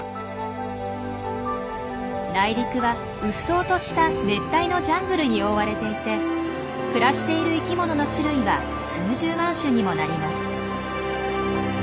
内陸はうっそうとした熱帯のジャングルに覆われていて暮らしている生きものの種類は数十万種にもなります。